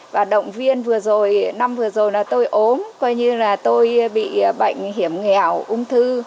và động viên năm vừa rồi là tôi ốm tôi bị bệnh hiểm nghèo ung thư